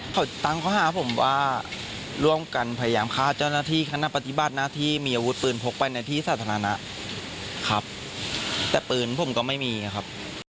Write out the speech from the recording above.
เขาตั้งข้อหาผมว่าร่วมกันพยายามฆ่าเจ้าหน้าที่คณะปฏิบัติหน้าที่มีอาวุธปืนพกไปในที่สาธารณะครับแต่ปืนผมก็ไม่มีครับ